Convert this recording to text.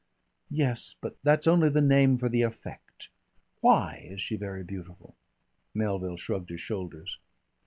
"Yes, but that's only the name for the effect. Why is she very beautiful?" Melville shrugged his shoulders.